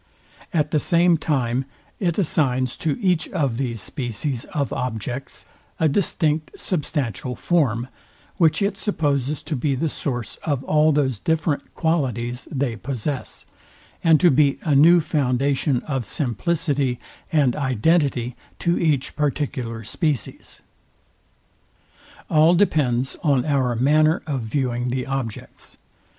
At the same time it assigns to each of these species of objects a distinct substantial form, which it supposes to be the source of all those different qualities they possess, and to be a new foundation of simplicity and identity to each particular species. All depends on our manner of viewing the objects.